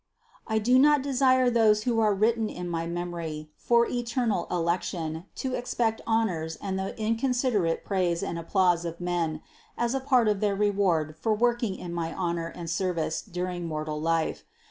I do not de sire those who are written in my memory for eternal election to expect honors and the inconsiderate praise and applause of men as a part of their reward for work ing in my honor and service during mortal life.